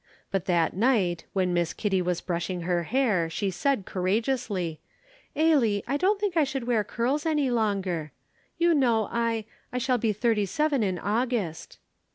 But that night, when Miss Kitty was brushing her hair, she said, courageously, "Ailie, I don't think I should wear curls any longer. You know I I shall be thirty seven in August."